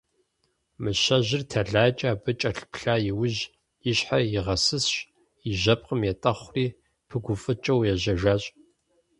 Мыщэжьыр тэлайкӀэ абы кӀэлъыплъа иужь, и щхьэр игъэсысщ, и жьэпкъым етӀэхъури пыгуфӀыкӀыу ежьэжащ.